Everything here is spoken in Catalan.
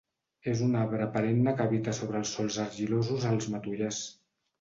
És un arbre perenne que habita sobre sòls argilosos als matollars.